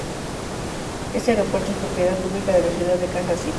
Este aeropuerto es propiedad pública de la ciudad de Kansas City.